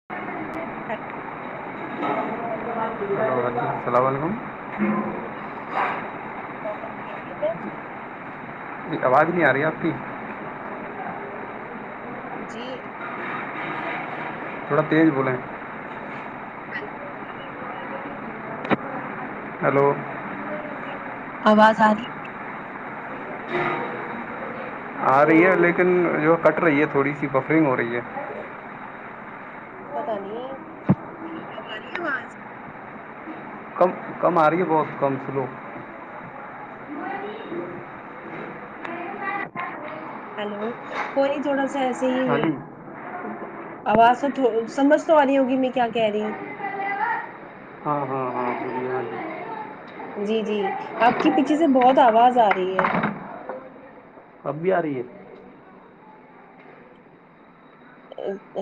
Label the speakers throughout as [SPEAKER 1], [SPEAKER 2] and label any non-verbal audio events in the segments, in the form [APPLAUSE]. [SPEAKER 1] [INAUDIBLE]
[SPEAKER 2] اچھ [INAUDIBLE]
[SPEAKER 1] السلام علیکم
[SPEAKER 2] ب تھ [INAUDIBLE]
[SPEAKER 1] جی آواز نہیں آ رہی آپ کی
[SPEAKER 2] جی
[SPEAKER 1] تھوڑا تیز بولیں
[SPEAKER 2] ہ [INAUDIBLE]
[SPEAKER 1] ہیلو
[SPEAKER 2] آواز آ رہی
[SPEAKER 1] آ رہی ہے لیکن جو کٹ رہی ہے تھوڑی سی بفرنگ ہو رہی ہے
[SPEAKER 2] پتا نہیںواز
[SPEAKER 1] کم کم آ رہی ہے بہت کم سے لوگ ج [INAUDIBLE]
[SPEAKER 2] ہیلو کوئی نہیں تھوڑا سا ایسے
[SPEAKER 1] ہاں جی
[SPEAKER 2] آواز تو سمجھ تو آ رہی ہوگی میں کیا کہہ رہی ہوں
[SPEAKER 1] ہاں ہاں ہاں تو بیا ہے
[SPEAKER 2] جی جی آپ کی پیچھے سے بہت آواز آ رہی ہے
[SPEAKER 1] فباری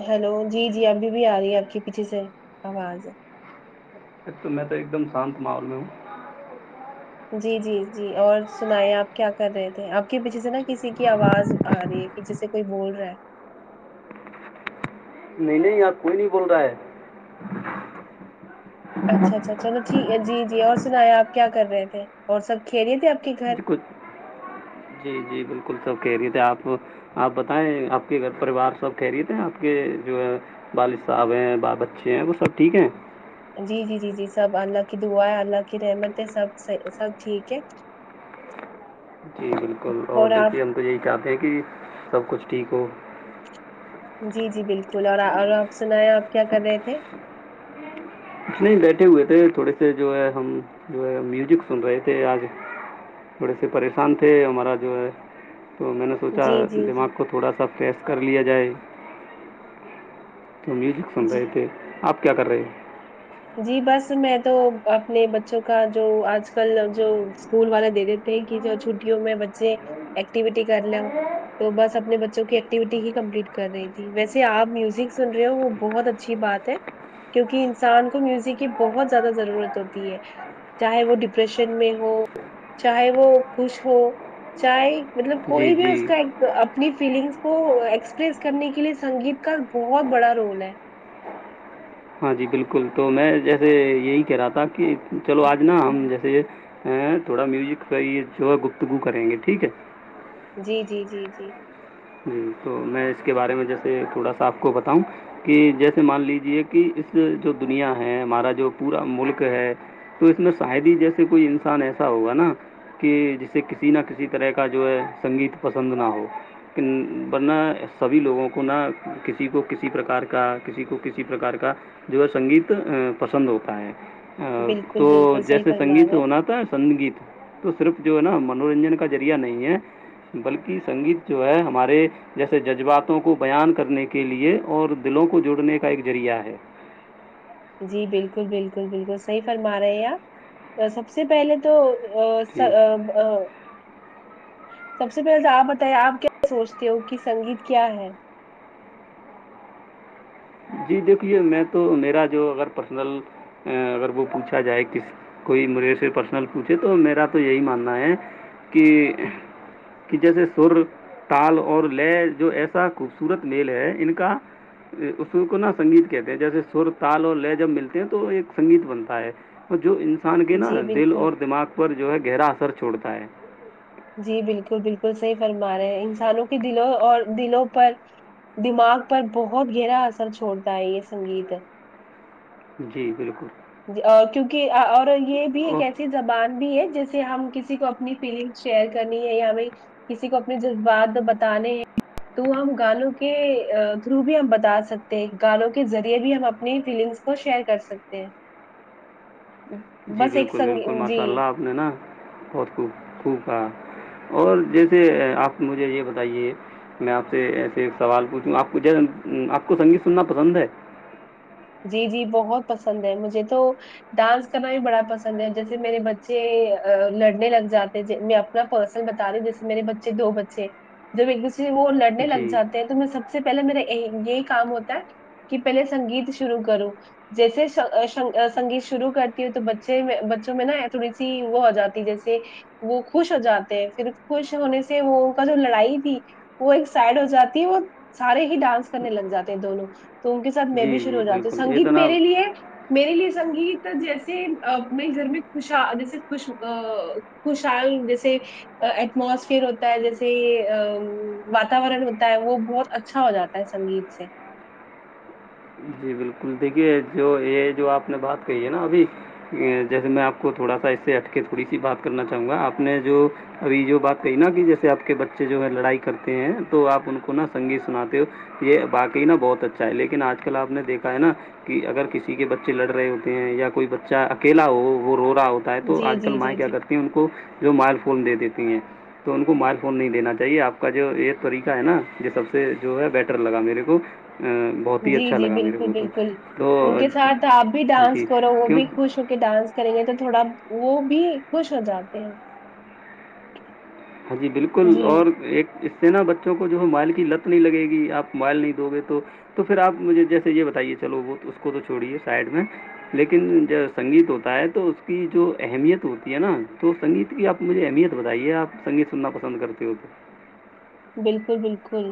[SPEAKER 2] ہیلو جی جی ابھی بھی آ رہی ہے آپ کے پیچھے سے آواز
[SPEAKER 1] ایک تو میں تو ایک دم شانت ماحول میں ہوں
[SPEAKER 2] جی جی جی اور سنیں آپ کیا کر رہے تھے آپ کے پیچھے سے نا کسی کی آواز آ رہی ہے کہ جسے کوئی بول رہا ہے
[SPEAKER 1] نہیں نہیں ار کوئی نہیں بول رہا ہے
[SPEAKER 2] اچھا اچھا چلو ٹھیک جی جی اور سنایا پ کیا کر رہے تھے اور سب کھیلے تھے پ
[SPEAKER 1] ج ک
[SPEAKER 2] [UNINTELLIGIBLE]
[SPEAKER 1] جی جی بالکل سب کہہ رہیے تھے آپ آپ بتائیں آپ کے گھر پریوار سب ٹہری تھے آپ کے جو ہے والد صاحب ہیں بال بچے ہیں وہ سب ٹھیک ہیں
[SPEAKER 2] جی جی جی جی سب اللہ کی دعا ہے اللہ کی رحمت ہے سب سب ٹھیک ہے [INAUDIBLE]
[SPEAKER 1] جی بالکل اور دیکھیے ہم تو یہی چاہتے ہیں کہ سب کچھ ٹھیک ہو
[SPEAKER 2] جی جی بالکل اور اور آپ سنایں آپ کیا کر رہے تھے
[SPEAKER 1] اتنے بیٹھے ہوئے تھے تھوڑے سے جو ہے ہم جو ہے میوزک سن رہے تھے آج تھوڑے سے پریشان تھے ہمارا جو ہے تو میں نے سوچا
[SPEAKER 2] جی جی
[SPEAKER 1] دماغ
[SPEAKER 2] جی
[SPEAKER 1] کو تھوڑا سا فریش کر لیا جائے تو میوزک سن
[SPEAKER 2] جی
[SPEAKER 1] رہے تھے آپ کیا کر رہے ہیں
[SPEAKER 2] جی بس میں تو اپنے بچوں کا جو آج کل جو اسکول والے دے دیتے کہ جو چھٹیوں میں بچے ایکٹیویٹی کر لے ہ تو بس اپنے بچوں کی ایکٹیوٹی ہی کمپلیٹ کر رہی تھی ویسے آپ میوزک سن رہے ہو وہ بہت اچھی بات ہے کیونکہ انسان کو میوزک کی بہت زیادہ ضرورت ہوتی ہے چاہے وہ ڈپریشن میں ہو چاہے وہ خوش ہو چائے مطلب
[SPEAKER 1] جی
[SPEAKER 2] کوئی بھی
[SPEAKER 1] جی
[SPEAKER 2] اس کا اپنی فیلنگس کو ایکسپریس کرنے کے لیے سنگیت کا بہت بڑا رول ہے
[SPEAKER 1] ہاں جی بالکل تو میں جیسے یہی کہہ رہا تھا کہ چلو آج نا ہم جیسے یہ ہ تھوڑا میوزک یہ جو گفتگو کریں گے ٹھیک ہے
[SPEAKER 2] جی جی جی جی
[SPEAKER 1] جی تو میں اس کے بارے میں جیسے تھوڑا سا آپ کو بتاؤں کہ جیسے مان لیجیے کہ اس جو دنیا ہے ہمارا جو پورا ملک ہے تو اس میں شاید ہی جیسے کوئی انسان ایسا ہوگا نا کہ جسے کسی نہ کسی طرح کا جو ہے سنگیت پسند نہ ہو ورنہ سبھی لوگوں کو نہ کسی کو کسی پرکار کا کسی کو کسی پرکار کا جو ہے سنگیت ا پسند ہوتا ہے
[SPEAKER 2] بالکل
[SPEAKER 1] تو
[SPEAKER 2] بالکل صحیح
[SPEAKER 1] جیسے
[SPEAKER 2] فرما
[SPEAKER 1] سنگیت
[SPEAKER 2] رہے
[SPEAKER 1] ہونا
[SPEAKER 2] ہیں
[SPEAKER 1] تھا سنگیت تو صرف جو ہے نا منورنجن کا ذریعہ نہیں ہے بلکہ سنگیت جو ہے ہمارے جیسے جذباتوں کو بیان کرنے کے لیے اور دلوں کو جوڑنے کا ایک ذریعہ ہے
[SPEAKER 2] جی بالکل بالکل بالکل صحیح فرما رہے ہیں آپ سب سب سے پہلے تو
[SPEAKER 1] جی
[SPEAKER 2] ا سب سے پہلے تو آپ بتائیے آپ کیا سوچتے ہو کہ سنگیت کیا ہے
[SPEAKER 1] جی دیکھیے میں تو میرا جو اگر پرسنل اگر وہ پوچھا جائے کس کوئی مجھے سے پرسنل پوچھے تو میرا تو یہی ماننا ہے کہ کہ جیسے سر تال اور لے جو ایسا خوبصورت میل ہے ان کا سر کو نا سنگیت کہتے ہیں جیسے سر تال اور لے جب ملتے ہیں تو ایک سنگیت بنتا ہے اور جو انسان کے نا
[SPEAKER 2] جی
[SPEAKER 1] دل
[SPEAKER 2] بالکل
[SPEAKER 1] اور دماغ پر جو ہے گہرا اثر چھوڑتا ہے
[SPEAKER 2] جی بالکل بالکل صحیح فرما رہے ہیں انسانوں کے دلوں اور دلوں پر دماغ پر بہت گہرا اثر چھوڑتا ہے یہ سنگیت
[SPEAKER 1] جی بالکل
[SPEAKER 2] کیونکہ اور یہ بھی ایک
[SPEAKER 1] او
[SPEAKER 2] ایسی زبان بھی ہے جیسے ہم کسی کو اپنی فیلنگ شیئر کرنی ہے یا ہمیں کسی کو اپنے جذبات بتانے ہیں تو ہم گانوں کے تھرو بھی ہم بتا سکتے گانوں کے ذریعے بھی ہم اپنی فیلنگس کو شیئر کر سکتے ہیں
[SPEAKER 1] جی
[SPEAKER 2] بس ایک
[SPEAKER 1] بالکل بالکل
[SPEAKER 2] سنگ جی
[SPEAKER 1] ماشاء اللہ آپ نے نا بہت خوب خوب کہا اور جیسے آپ مجھے یہ بتائیے میں آپ سے ایسے ایک سوال پوچھوں آپ کو آپ کو سنگیت سننا پسند ہے
[SPEAKER 2] جی جی بہت پسند ہے مجھے تو ڈانس کرنا بھی بڑا پسند ہے جیسے میرے بچے لڑنے لگ جاتے میں اپ پرسنل بتا رہی جسے میرے بچے دو بچے جب ایک دوسر وہ لڑنے لگ
[SPEAKER 1] جی
[SPEAKER 2] جاتے ہیں تو میں سب سے پہلے میرا یہی کام ہوتا ہے کہ پہلے سنگیت شرو کرو جیسےن سنگیت شروع کرتی ہو تو بچے میں بچوں میں نا تھوڑی سی وہ ہو جاتی جیسے وہ خوش ہو جاتے ہیں پھر خوش ہونے سے وہ ان کا جو لڑائی تھی وہ ایک سائڈ ہو جاتی ہے وہ سارے ہی ڈانس کرنے لگ جاتے ہیں دونوں تو ان کے ساتھ میں
[SPEAKER 1] جی
[SPEAKER 2] بھی شروع
[SPEAKER 1] جی
[SPEAKER 2] ہو جاتا تو
[SPEAKER 1] بالکل یہ
[SPEAKER 2] سنگیت
[SPEAKER 1] نا
[SPEAKER 2] میرے لیے میرے لیے سنگیت جیسے اپنے گھر میں خوش جیسے خوش خوشحال جیسے ایٹموسفیئر ہوتا ہے جیسے واتاورن ہوتا ہے وہ بہت اچھا ہو جاتا ہے سنگیت سے
[SPEAKER 1] جی بالکل دیکھیے جو یہ جو آپ نے بات کہی ہے نا ابھی جیسے میں آپ کو تھوڑا سا اس سے ہٹ کے تھوڑی سی بات کرنا چاہوں گا آپ نے جو ابھی جو بات کہی نا کہ جیسے آپ کے بچے جو ہے لڑائی کرتے ہیں تو آپ ان کو نا سنگیت سناتے ہو یہ باقی نا بہت اچھا ہے لیکن آج کل آپ نے دیکھا ہے نا کہ اگر کسی کے بچے لڑ رہے ہوتے ہیں یا کوئی بچہ اکیلا ہو وہ رو رہا ہوتا تو
[SPEAKER 2] جی
[SPEAKER 1] آج کل
[SPEAKER 2] جی
[SPEAKER 1] مائ
[SPEAKER 2] جی
[SPEAKER 1] کیا
[SPEAKER 2] جی
[SPEAKER 1] کرتی ہیں ان کو جو موبائل فون دے دیتی ہیں تو ان کو موبائل فون نہیں دینا چاہیے آپ کا جو یہ طریقہ ہے نا یہ سب سے جو ہے بیٹر لگا میرے کو بہت ہی اچھا
[SPEAKER 2] جی جی
[SPEAKER 1] لگا میرے
[SPEAKER 2] بالکل
[SPEAKER 1] کو تو
[SPEAKER 2] بالکل ان
[SPEAKER 1] تو
[SPEAKER 2] کے ساتھ آپ بھی ڈانس
[SPEAKER 1] جی
[SPEAKER 2] کرو وہ
[SPEAKER 1] کیوں
[SPEAKER 2] بھی خوش ہو کے ڈانس کریں گے تو تھوڑا وہ بھی خوش ہو جاتے ہیں
[SPEAKER 1] ہاں جی بالکل
[SPEAKER 2] جی
[SPEAKER 1] اور ایک سینا بچوں کو جو ہے مائل کی لت نہیں لگے گی آپ مائل نہیں دو گے تو تو پھر آپ مجھے جیسے یہ بتائیے چلو وہ اس کو تو چھوڑیے سائڈ میں لیکن جو سنگیت ہوتا ہے تو اس کی جو اہمیت ہوتی ہے نا تو سنگیت کی آپ مجھے اہمیت بتائیے آپ سگیت سننا پسند کرتے ہو تو
[SPEAKER 2] بالکل بالکل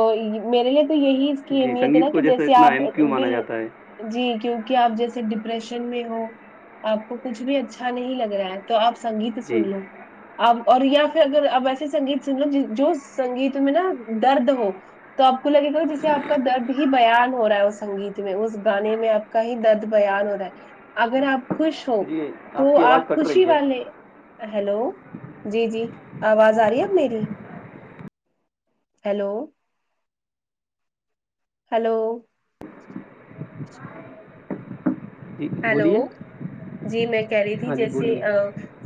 [SPEAKER 2] اور میرے لیے تو یہی
[SPEAKER 1] تو
[SPEAKER 2] کی ا
[SPEAKER 1] جی
[SPEAKER 2] نیت ہے نا
[SPEAKER 1] سنگیت کو
[SPEAKER 2] کہ جیسے
[SPEAKER 1] اتنا
[SPEAKER 2] آپ
[SPEAKER 1] اہم کیوں مانا
[SPEAKER 2] بل
[SPEAKER 1] جاتا ہے
[SPEAKER 2] جی کیونکہ آپ جیسے ڈپریشن میں ہو آپ کو کچھ بھی اچھا نہیں لگ رہا ہے تو آپ سنگیت
[SPEAKER 1] جی
[SPEAKER 2] سن لو آپ اور یا پھر اگر آپ ایسے سنگیت سن لو جو سنگیت میں نا درد ہو تو آ کو لگے گا جسے آپ کا درد ہی بیان ہو رہا ہے وہ سنگیت اس گانے میں آپ کا ہی درد بیان ہو رہا ہے اگر آپ خوش ہو
[SPEAKER 1] جی
[SPEAKER 2] تو
[SPEAKER 1] کی آواز
[SPEAKER 2] آپ
[SPEAKER 1] کٹ
[SPEAKER 2] خوشی
[SPEAKER 1] رہی ہے
[SPEAKER 2] والے ہیلو جی جی آواز آ رہی ہے اب میری ہیلو ہلو
[SPEAKER 1] جی بولیے
[SPEAKER 2] ہیلو جی میں کہہ رہی تھی
[SPEAKER 1] ہاں جی
[SPEAKER 2] جیسے
[SPEAKER 1] بولیے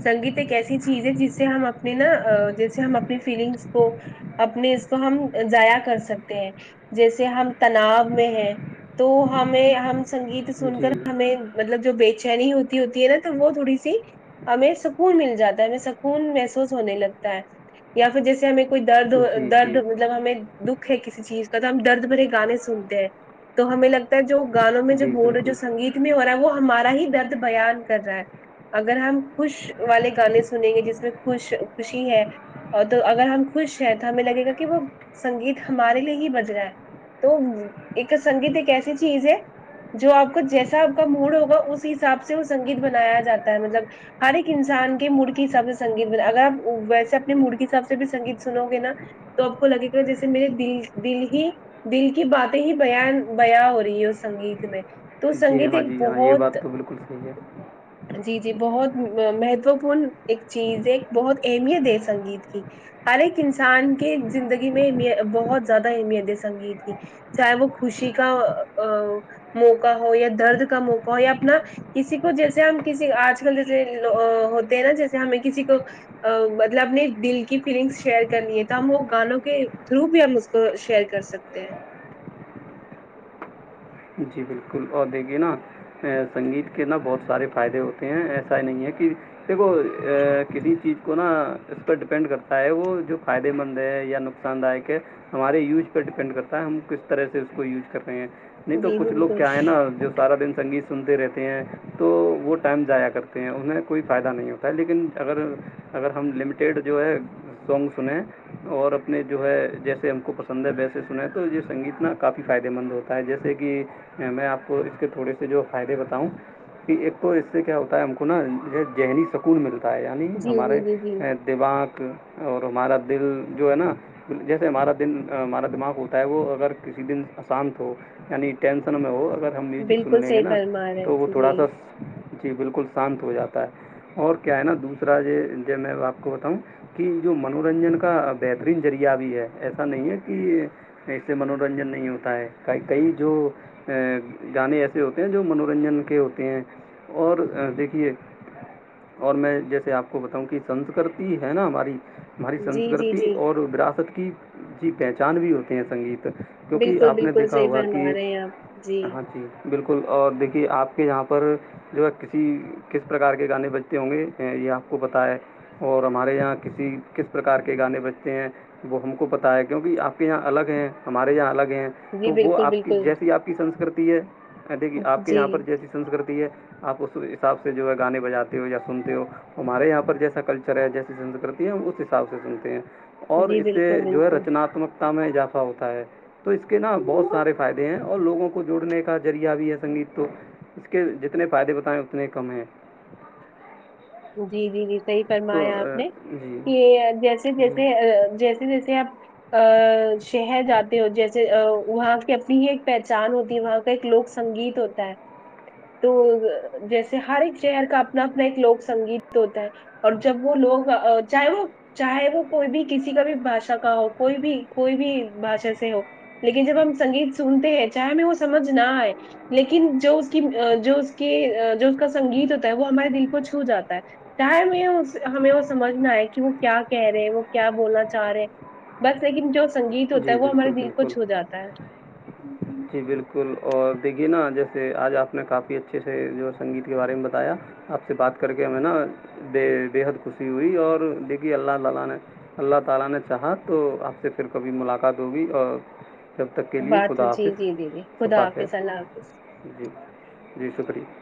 [SPEAKER 2] سنگیت ایک ایسی چیز ہے جس سے ہم اپنی نا جس سے ہم اپنی فیلنگس کو اپنے اس کو ہم ضائع کر سکتے ہیں جیسے ہم تناؤ میں ہے تو ہمیں ہم سنگیت سن
[SPEAKER 1] جی
[SPEAKER 2] کر ہمیں مطلب جو بے چینی ہوتی ہوتی ہے نا تو وہ تھوڑی سی ہمیں سکون مل جاتا ہے ہمیں سکون محسوس ہونے لگتا ہے یا پھر جیسے ہمیں کوئی درد
[SPEAKER 1] جی جی
[SPEAKER 2] درد مطلب ہمیں دکھ ہے کسی چیز کا تو ہم درد بھرے گانے سنتے ہیں تو ہمیں لگتا ہے جو گانوں میں جو
[SPEAKER 1] جی
[SPEAKER 2] بورڈ جو
[SPEAKER 1] بالکل
[SPEAKER 2] سنگیت میں ہو رہا ہے وہ ہمارا ہی درد بیان کر رہا ہے اگر ہم خوش والے گانے سنیں گے جس میں خوش خوشی ہے اور تو اگر ہم خوش ہیں تو ہمیں لگے گا کہ وہ سنگیت ہمارے لیے ہی بج رہا ہے تو ایک سنگیت ایک ایسی چیز ہے جو آپ کو جیسا آپ کا موڈ ہوگا اس حساب سے وہ سنگیت بنایا جاتا ہے مطلب ہر ایک انسان کے مور کے حساب سے سنگیت ب اگر آ ویسے اپنے مڑ کے حساب سے بھی سنگیت سنو گے نا تو آپ کو لگے گا جیسے میرے دل دل ہی دل کی باتیں ہی بان بیا ہو رہی ہے اس سنگیت میں تو
[SPEAKER 1] جی
[SPEAKER 2] سنگیت
[SPEAKER 1] ہاں
[SPEAKER 2] ایک
[SPEAKER 1] جی ہاں یہ بات
[SPEAKER 2] بہت
[SPEAKER 1] تو بالکل صحیح ہے
[SPEAKER 2] جی جی بہت مہتو پورن ایک چیز ہے بہت اہمیت ہے سنگیت کی ہر ایک انسان کے زندگی میں امی بہت زیادہ اہمیت ہے سنگیت کی چاہے وہ خوشی کا موقع ہو یا درد کا موقع ہو یا اپنا کسی کو جیسے ہم کسی آج کل جیسے ہوتے ہیں نا جیسے ہمیں کسی کو مطلب اپنے دل کی فیلنگس شیئر کرنی ہے تو ہم وہ گانوں کے تھرو بھی ہم اس شیئر کر سکتے ہیں
[SPEAKER 1] جی بالکل اور دیک گے نا سنگیت کے نہا بہت سارے فائدے ہوتے ہیں ایسا ہی نہیں ہے کہ دیکھو کسی چیز کو نا اس پر ڈپینڈ کرتا ہے وہ جو فائدے مند ہے یا نقصان دایک ہے ہمارے یوج پر ڈیپینڈ کرتا ہے ہم کس طرح سے اس کو یوج کر رہے ہیں نہیں تو
[SPEAKER 2] جی
[SPEAKER 1] کچھ لوگ کیا ہے
[SPEAKER 2] بالکل
[SPEAKER 1] نا جو سارا دن سنگیت سنتے رہتے ہیں تو وہ ٹائم جایا کرتے ہیں انہیں کوئی فائدہ نہیں ہوتا ہے لیکن اگر اگر ہم لمیٹیڈ جو ہے سانگ سن اور اپنے جو ہے جیسے ہم کو پسند ہے ویسے سنا تو یہ سنگیت ن کافی فائدے مند ہوتا ہے جیسے جیس سے کہ میں آپ کو اس کے تھوڑے سے جو فائدے بتاؤں کہ ایک تو اس سے کیا ہوتا ہے ہم کو نا یہ ذہنی سکون ملتا ہے یعنی
[SPEAKER 2] جی جی
[SPEAKER 1] ہمارے
[SPEAKER 2] جی جی
[SPEAKER 1] دماغ اور ہمارا دل جو ہے نا جیسے ہمارا دن ہمارا دماغ ہوتا ہے وہ اگر کسی دن آانت ہو یعنی ٹینسن میں ہو اگر ہم میوزک سن
[SPEAKER 2] بالکل
[SPEAKER 1] لیں گے
[SPEAKER 2] صحیح
[SPEAKER 1] نا
[SPEAKER 2] فرما رہے
[SPEAKER 1] تو وہ
[SPEAKER 2] ہیں
[SPEAKER 1] تھوڑا
[SPEAKER 2] جی
[SPEAKER 1] سا جی بالکل شانت ہو جاتا ہے اور کیا ہے نا دوسرا یہ میں آپ کو بتاؤں کہ جو منورنجن کا بہترین ذریعہ بھی ہے ایسا نہیں ہے کہ اس سے منورنجن نہیں ہوتا ہے کئی جو گانے ایسے ہوتے ہیں جو منورنجن کے ہوتے ہیں اور دیکھیے اور میں جیسے آپ کو بتاؤں کہ سنسکرتی ہے نا ہماری ہماری
[SPEAKER 2] جی جی
[SPEAKER 1] سنسکرتی
[SPEAKER 2] جی
[SPEAKER 1] اور وراثت کی جی پہچان بھی ہوتی ہیں سنگیت کیونکہ
[SPEAKER 2] بالکل
[SPEAKER 1] آپ نے
[SPEAKER 2] بالکل
[SPEAKER 1] دیکھا
[SPEAKER 2] صحیح
[SPEAKER 1] ہوگا کہ
[SPEAKER 2] فرما رہے ہیں آپ
[SPEAKER 1] جی بالکل اور دیکھیے آپ کے یہاں پر جو ہے کسی کس پرکار کے گانے بجتے ہوں گے یہ آپ کو پتا ہے اور ہمارے یہاں کسی کس پرکار کے گانے بجتے ہیں وہ ہم کو پتا ہے کیونکہ آپ کے یہاں الگ ہے ہمارے یہاں الگ ہیں
[SPEAKER 2] جی
[SPEAKER 1] تو وہ
[SPEAKER 2] بالکل
[SPEAKER 1] آپ کی
[SPEAKER 2] بالکل
[SPEAKER 1] جیسی آپ کی سنسکرتی ہے دیکھیے آپ کے
[SPEAKER 2] جی
[SPEAKER 1] یہاں پر جیسی سنسکرتی ہے آپ اس حساب سے جو ہے گانے بجاتے ہو یا سنتے ہو ہمارے یہاں پر جیسا کلچر ہے جیسی سسکرتی ہے ہم اس حساب سے سنتے ہیں اور
[SPEAKER 2] جی
[SPEAKER 1] اس سے
[SPEAKER 2] بالکل
[SPEAKER 1] جو ہے
[SPEAKER 2] بالکل
[SPEAKER 1] رچناتمکتا میں اضافہ ہوتا ہے تو اس کے نام بہت سارے فائدے ہیں اور لووں کو جوڑنے کا ذریعہ بھی ہے سنگیت تو اس کے جتنے فائدے بتائے اتنے کم ہیں
[SPEAKER 2] [INAUDIBLE] جی جی جی صحیح
[SPEAKER 1] تو
[SPEAKER 2] فرمایا آپ نے
[SPEAKER 1] جی
[SPEAKER 2] کہ جیسے
[SPEAKER 1] جی
[SPEAKER 2] جیسے جیسے جی جیسے آپ شہر جاتے ہو جیسے وہاں کی اپنی ہی ایک پہچان ہوتی وہاں ایک لوک سنگیت ہوتا ہے تو جیسے ہر ایک شہر کا اپنا اپنا ایک لوک سنگیت ہوتا ہے اور جب وہ لوگ چاہے وہ چاہے وہ کوئی بھی کسی کا بھی بھاشا کا ہو کوئی بھی کوئی بھی بھاشا سے ہو لیکن جب ہم سنگیت سنتے ہیں چاہے ہمیں وہ سمجھ نہ آئے لیکن جو اس کی جو اس کے جو اس کا سنگیت ہوتا ہے وہ ہمارے دل کو چھو جاتا ہے چاہے ہم ہمیں وہ سمجھنا ہے کہ وہ کیا کہہ رہے ہیں وہ کیا بولنا چاہ رہے بس لیکن جو سنگیت ہوتا ہے
[SPEAKER 1] جی
[SPEAKER 2] وہ ہمارے
[SPEAKER 1] بالکل
[SPEAKER 2] دل کو
[SPEAKER 1] بالکل
[SPEAKER 2] چھو جاتا ہے
[SPEAKER 1] جی بالکل اور دیکھیے نا جیسے آج آپ نے کافی اچھے سے جو سنگیت کے بارے میں بتایا آپ سے بات کر کے ہمیں نا بے بے حد خوشی ہوئی اور دیکھی اللہ تعالی نے اللہ تعالی نے چاہا تو آپ سے پھر کبھی ملاقات ہوگی اور جب تک کے لیے
[SPEAKER 2] بات
[SPEAKER 1] خدا
[SPEAKER 2] جی
[SPEAKER 1] آفس
[SPEAKER 2] جی جی جی خدا
[SPEAKER 1] صفا خیر
[SPEAKER 2] حافظ اللہ حافظ
[SPEAKER 1] جی جی شکریہ